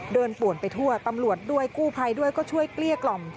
ป่วนไปทั่วตำรวจด้วยกู้ภัยด้วยก็ช่วยเกลี้ยกล่อม